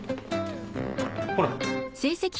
ほら。